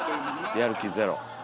やる気ゼロ。